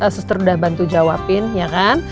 suster udah bantu jawabin ya kan